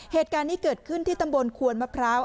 เหตุการณ์นี้เกิดขึ้นที่ตำบลควนมะพร้าว